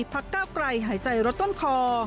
พักก้าวไกลหายใจรถต้นคอ